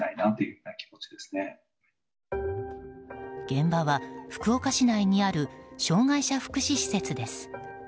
現場は福岡市内にある障害者福祉施設です。